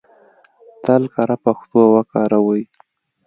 تل کره پښتو وکاروئ!